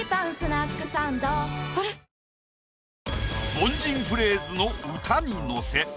凡人フレーズの「歌にのせ」。